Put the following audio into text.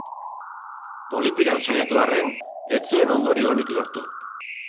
Politikan saiatu arren, ez zuen ondorio onik lortu.